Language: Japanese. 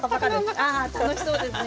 ああ楽しそうですね。